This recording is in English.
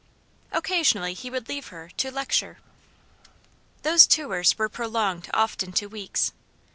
Occasionally he would leave her to "lecture." Those tours were prolonged often to weeks.